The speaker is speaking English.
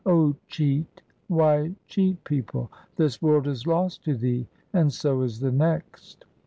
O cheat, why cheat people ? this world is lost to thee and so is the next.